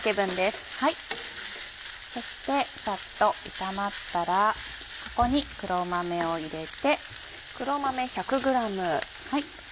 そしてサッと炒まったらここに黒豆を入れて。